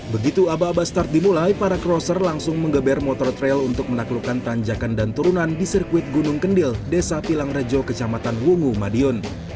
begitu aba aba start dimulai para crosser langsung mengeber motor trail untuk menaklukkan tanjakan dan turunan di sirkuit gunung kendil desa pilangrejo kecamatan wungu madiun